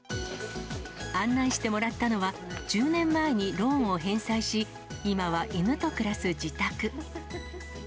案内してもらったのは、１０年前にローンを返済し、今は犬と暮らす自宅。